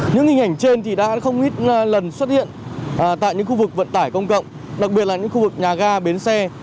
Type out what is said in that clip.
những hình ảnh trên đã không ít lần xuất hiện tại những khu vực vận tải công cộng đặc biệt là những khu vực nhà ga bến xe